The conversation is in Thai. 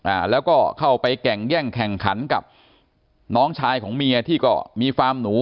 อ่าแล้วก็เข้าไปแก่งแย่งแข่งขันกับน้องชายของเมียที่ก็มีฟาร์มหนู